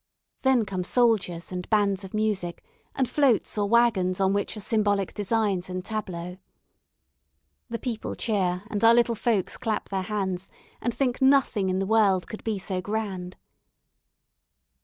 Then come soldiers and bands of music, and floats or wagons on which are symbolic designs and tableaux. The people cheer, and our little folks clap their hands, and think nothing in the world could be so grand.